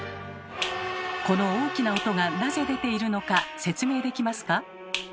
この大きな音がなぜ出ているのか説明できますか？